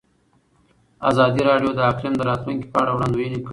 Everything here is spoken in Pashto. ازادي راډیو د اقلیم د راتلونکې په اړه وړاندوینې کړې.